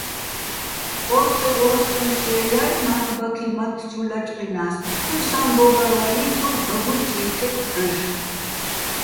ო́თხე ო́შტუჼ ფშე́ლ ჲარ, მარლ'ბაქი მათთ ჩუ ლაჭყჲინა́ს, ფჴუსაჼ გო́გარვალინჩოვ გაგუჲ ჭაჲნკეგო̆ ჰ̦ოშ.